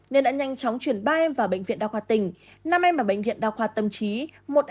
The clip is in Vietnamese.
nên đã nhanh chóng chuyển ba em vào bệnh viện đa khoa tỉnh năm em ở bệnh viện đa khoa tâm trí